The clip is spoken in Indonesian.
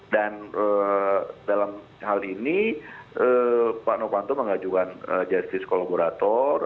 dan dalam hal ini pak novanto mengajukan justice collaborator